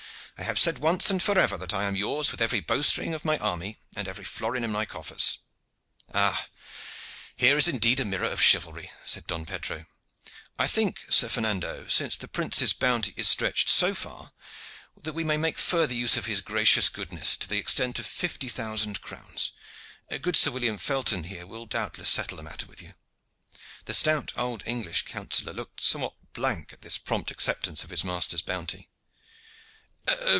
I have said once and forever that I am yours with every bow string of my army and every florin in my coffers." "Ah! here is indeed a mirror of chivalry," said Don Pedro. "I think, Sir Fernando, since the prince's bounty is stretched so far, that we may make further use of his gracious goodness to the extent of fifty thousand crowns. Good Sir William Felton, here, will doubtless settle the matter with you." The stout old English counsellor looked somewhat blank at this prompt acceptance of his master's bounty.